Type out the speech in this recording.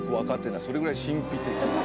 それぐらい神秘的な。